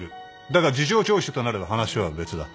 だが事情聴取となれば話は別だ。